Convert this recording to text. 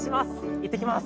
いってきます！